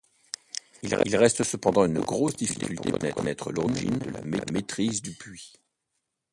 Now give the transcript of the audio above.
Il reste cependant une grosse difficulté pour connaître l'origine de la maîtrise du Puy.